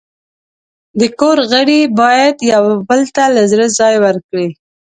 د کور غړي باید یو بل ته له زړه ځای ورکړي.